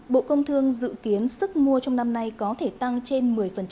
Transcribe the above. bộ công thương dự kiến sức mua trong năm nay có thể tăng trên một mươi